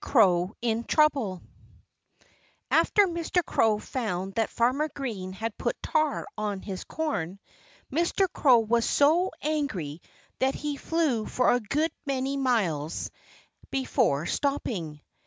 CROW IN TROUBLE After Mr. Crow found that Farmer Green had put tar on his corn, Mr. Crow was so angry that he flew for a good many miles before stopping.